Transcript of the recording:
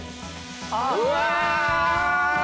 うわ！